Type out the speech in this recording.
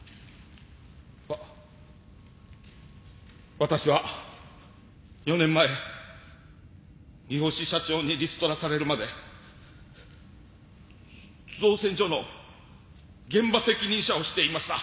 わ私は４年前三星社長にリストラされるまでぞ造船所の現場責任者をしていました。